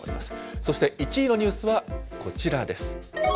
そして１位のニュースはこちらです。